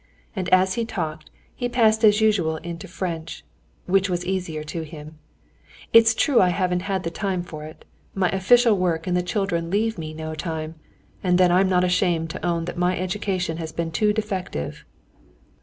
And as he talked, he passed as usual into French, which was easier to him. "It's true I haven't the time for it. My official work and the children leave me no time; and then I'm not ashamed to own that my education has been too defective."